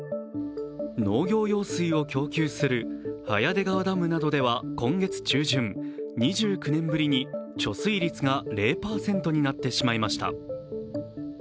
農業用水を供給する早出川ダムでは今月中旬、２９年ぶりに貯水率が０％になってしまいました。